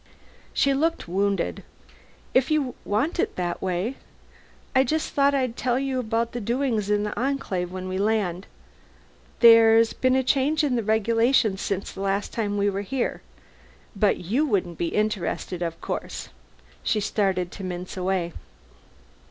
She looked wounded. "If you want it that way. I just thought I'd tell you about the doings in the Enclave when we land. There's been a change in the regulations since the last time we were here. But you wouldn't be interested, of course." She started to mince away.